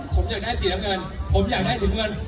ผมอยากได้สีละเงินผมอยากได้สีมือ